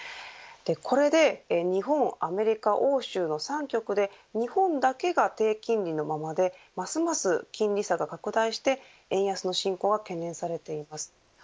これで日本、アメリカ、欧州の三局で日本だけが低金利のままでますます金利差が拡大して円安の進行が懸念されています。